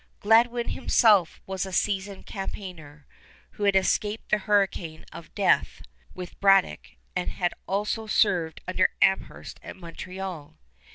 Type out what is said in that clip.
Gladwin himself was a seasoned campaigner, who had escaped the hurricane of death with Braddock and had also served under Amherst at Montreal.